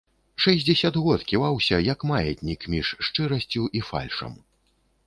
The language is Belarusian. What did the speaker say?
Шэсцьдзесят год ківаўся, як маятнік, між шчырасцю і фальшам.